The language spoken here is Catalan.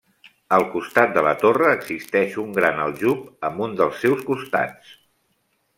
Al costat de la torre existeix un gran aljub amb un dels seus costats.